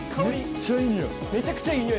めっちゃいい匂い。